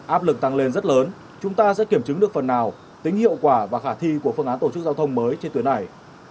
áp lực tăng lên rất lớn chúng ta sẽ kiểm chứng được phần nào tính hiệu quả và khả thi của phương án tổ chức giao thông mới trên tuyến này